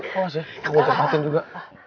kamu ke patin juga